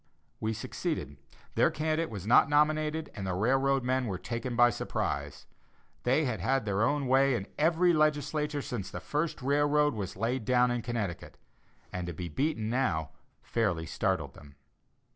We succeeded; their candidate was not nominated, and the railroad men were taken by surprise. They had had their own way in every legislature since the first railroad was laid down in Connecticut, and to be beaten now fairly startled them.